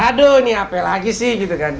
aduh ini apel lagi sih gitu kan